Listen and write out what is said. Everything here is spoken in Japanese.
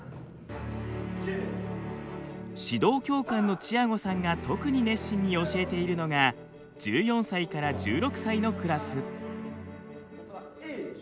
指導教官のチアゴさんが特に熱心に教えているのが１４歳から１６歳のクラス。